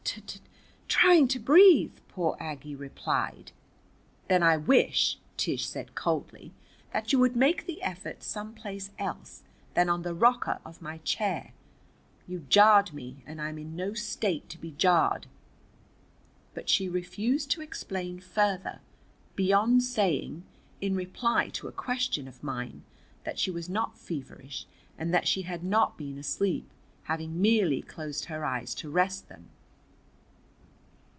"T t trying to breathe," poor Aggie replied. "Then I wish," Tish said coldly, "that you would make the effort some place else than on the rocker of my chair. You jarred me, and I am in no state to be jarred." But she refused to explain further, beyond saying, in reply to a question of mine, that she was not feverish and that she had not been asleep, having merely closed her eyes to rest them.